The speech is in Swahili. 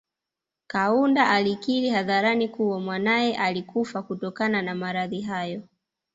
Kaunda alikiri hadharani kuwa mwanaye alikufa kutokana na maradhi hayo